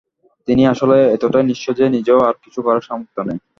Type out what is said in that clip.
তিনি আসলে এতটাই নিঃস্ব যে নিজেও আর কিছু করার সামর্থ নেই।